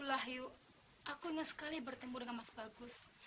itulah yu aku ingat sekali bertemu dengan mas bagus